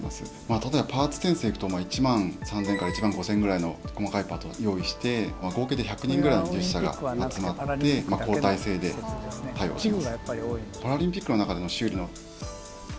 例えばパーツ点数でいうと１万３，０００から１万５，０００ぐらいの細かいパーツを用意して合計で１００人ぐらいの技術者が集まって交代制で対応しています。